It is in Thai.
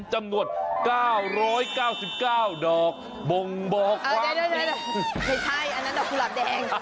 ใช่อันนั้นดอกกุหลับแดง